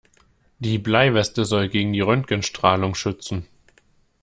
Die Bleiweste soll gegen die Röntgenstrahlung schützen.